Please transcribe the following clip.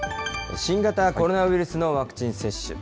新型コロナウイルスのワクチン接種。